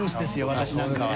私なんかは。